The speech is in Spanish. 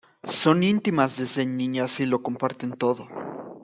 Son íntimas desde niñas y lo comparten todo.